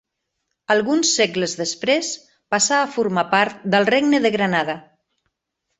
Alguns segles després, passà a formar part del regne de Granada.